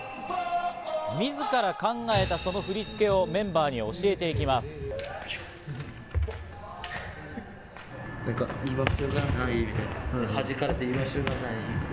自ら考えたその振り付けをメンバーに教えていきます。